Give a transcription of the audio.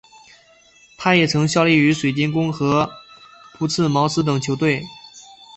他也曾效力于水晶宫和朴茨茅斯等球队。